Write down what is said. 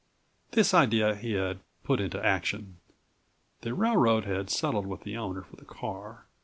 This idea he had put into action. The railroad had settled with the owner for the car.